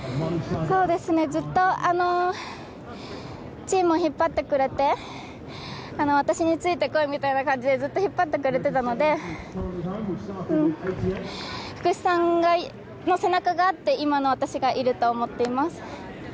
ずっとチームを引っ張ってくれて、私について来いみたいな感じで、ずっと引っ張ってくれていたので、福士さんの背中があって今の私がいると思っています。